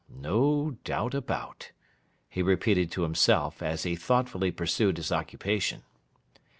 No doubt a—bout,' he repeated to himself, as he thoughtfully pursued his occupation.